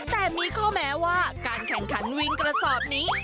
แต่มีข้อแม้ว่าการแข่งขันวิ่งกระสอบนี้